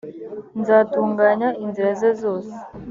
nzatunganya inzira ze zose